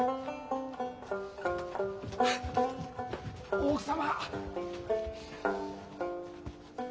大奥様！